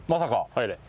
入れ。